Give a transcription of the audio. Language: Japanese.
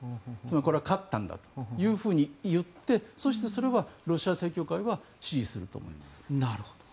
これは勝ったんだと言ってそしてそれはロシア正教会は支持すると思います。